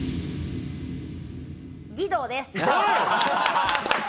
義堂です。